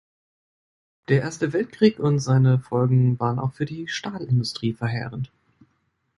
Der Erste Weltkrieg und seine Folgen waren auch für die Stahlindustrie verheerend.